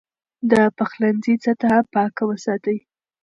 د پخلنځي سطحه پاکه وساتئ.